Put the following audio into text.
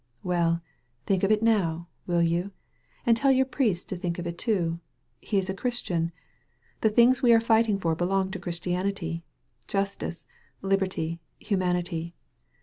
"Well, think of it now, wiD you? And tell your priest to think of it, too. He is a Christian. The things we are fighting for belong to Christianity — justice, liberty, humanity.